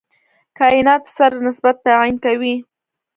کایناتو سره نسبت تعیین کوي.